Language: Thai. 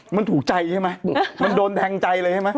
มันถูกใจใช่ไหมมันโดนแทงใจเลยใช่ไหม